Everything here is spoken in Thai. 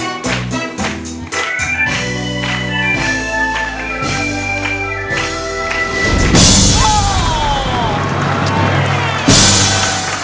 โอ้โห